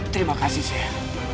terima kasih sya